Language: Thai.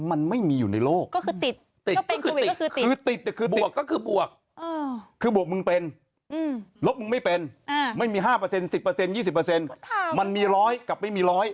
มันไม่มีแม้แบบนี้หรือเปล่า